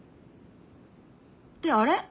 ってあれ？